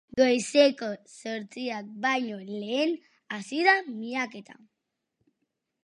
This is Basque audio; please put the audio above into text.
Goizeko zortziak baino lehen hasi da miaketa.